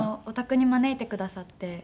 お宅に招いてくださって。